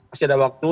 masih ada waktu